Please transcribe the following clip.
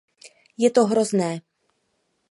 Je to hrozné.